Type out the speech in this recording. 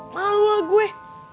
malu lah gue